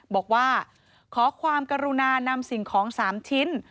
บอกว่าขอความกรุณานำสิ่งของ๓ชิ้น